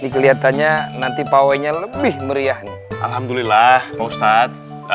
kelihatannya nanti pawenya lebih meriah alhamdulillah maksad